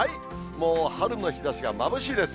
もう春の日ざしがまぶしいです。